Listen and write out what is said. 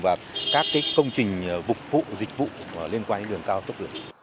và các cái công trình vục vụ dịch vụ liên quan đến đường cao tốc